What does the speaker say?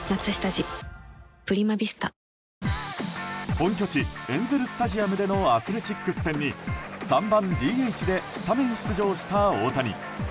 本拠地エンゼル・スタジアムでのアスレチックス戦に３番ＤＨでスタメン出場した大谷。